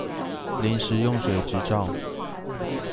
臨時用水執照